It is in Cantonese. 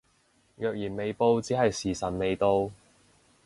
若然未報只係時辰未到